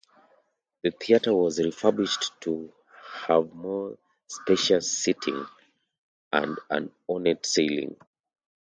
The theatre was refurbished to have more spacious seating and an ornate ceiling.